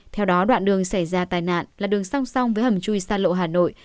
theo đó đoạn đường xảy ra tài nạn là đường song song với hầm chui xa lộ hà nội